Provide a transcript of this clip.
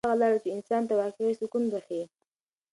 دا هغه لاره ده چې انسان ته واقعي سکون بښي.